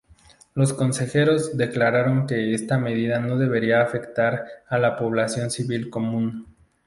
Los consejeros declararon que esta medida no debería afectar a la población civil común.